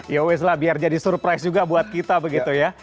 yoweslah biar jadi surprise juga buat kita begitu ya